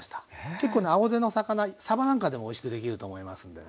結構ね青背の魚さばなんかでもおいしくできると思いますんでね。